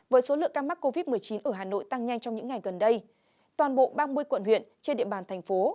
với số lượng ca mắc covid một mươi chín ở hà nội tăng nhanh trong những ngày gần đây toàn bộ ba mươi quận huyện trên địa bàn thành phố